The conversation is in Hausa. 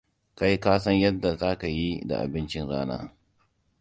Kai ka san yadda za ka yi da abincin rana.